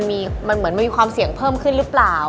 มันเหมือนมันมีความเสี่ยงเพิ่มขึ้นหรือเปล่า